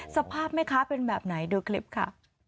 สภาพแม่ค้าเป็นแบบไหนดูคลิปค่ะ